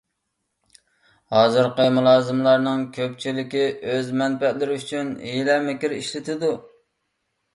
ھازىرقى مۇلازىملارنىڭ كۆپچىلىكى ئۆز مەنپەئەتلىرى ئۈچۈن ھىيلە - مىكىر ئىشلىتىدۇ.